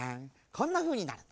こんなふうになる。